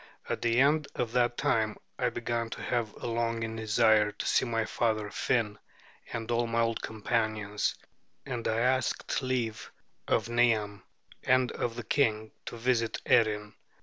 At the end of that time I began to have a longing desire to see my father Finn and all my old companions, and I asked leave of Niam and of the king to visit Erin.